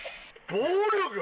暴力？